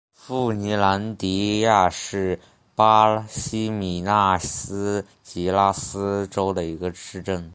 富尼兰迪亚是巴西米纳斯吉拉斯州的一个市镇。